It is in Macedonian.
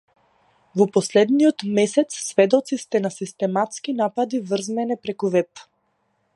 Во последниот месец сведоци сте на систематски напади врз мене преку веб.